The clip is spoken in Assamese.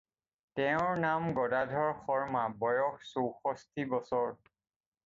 তেওঁৰ নাম গদাধৰ শৰ্ম্মা, বয়স চৌষষ্ঠি বছৰ।